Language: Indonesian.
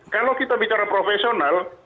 kalau kita bicara profesional